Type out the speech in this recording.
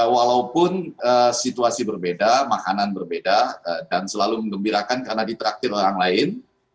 walaupun situasi berbeda makanan berbeda dan selalu mengembirakan karena ditraktir orang lain